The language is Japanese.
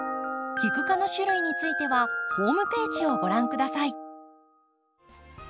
キク科の種類についてはホームページをご覧下さい。